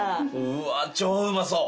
うわー超うまそう